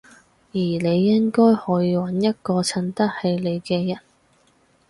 而你應該去搵一個襯得起你嘅人